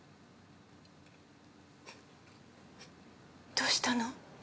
どうしたの？